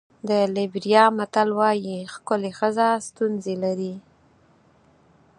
د لېبریا متل وایي ښکلې ښځه ستونزې لري.